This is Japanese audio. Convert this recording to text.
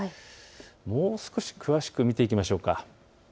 もう少し詳しく見ていきましょう。